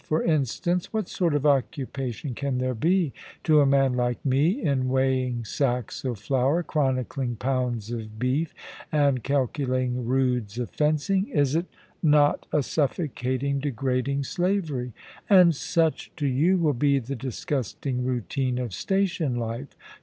For instance, what sort of occupation can there be to a man like me, in weighing sacks of flour, chronicling pounds of beef, and calculating roods of fencing ? Is it not a suffocating, degrading slavery? And such, to you, will be the disgusting routine of station life.